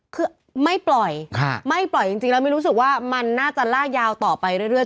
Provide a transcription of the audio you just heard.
คือไม่ปล่อยไม่ปล่อยจริงแล้วไม่รู้สึกว่ามันน่าจะลากยาวต่อไปเรื่อย